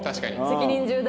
責任重大。